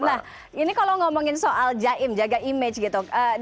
nah ini kalau ngomongin soal jaim jaga image gitu